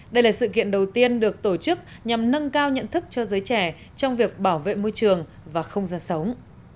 đây là sự kiện đầu tiên được tổ chức nhằm nâng cao nhận thức cho giới trẻ trong việc bảo vệ môi trường và không gian sống